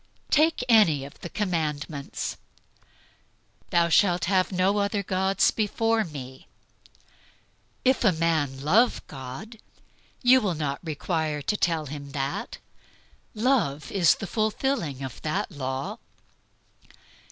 Take any of the commandments. "Thou shalt have no other gods before Me." If a man love God, you will not require to tell him that. Love is the fulfilling of that law.